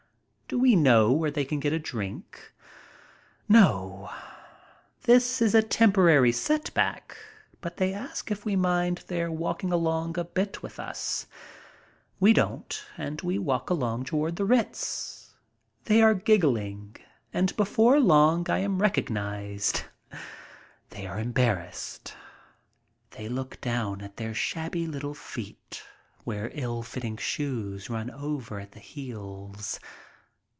Do we know where they can get a drink ? "No." This is a temporary setback, but they ask if we mind their walking along a bit with us. We don't and we walk along toward the Ritz. They are giggling, and before long I am recognized. They are embarrassed. They look down at their shabby little feet where ill fitting shoes run over at the heels.